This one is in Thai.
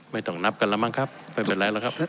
ไม่ต้องนับกันแล้วมั้งครับไม่เป็นไรแล้วครับ